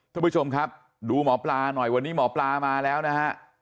ทุกผู้ชมครับดูหมอปลาหน่อยวันนี้หมอปลามาแล้วนะฮะ